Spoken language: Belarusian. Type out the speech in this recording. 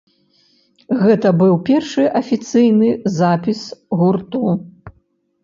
Гэта быў першы афіцыйны запіс гурту.